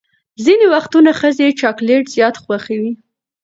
ځینې وختونه ښځې چاکلیټ زیات خوښوي.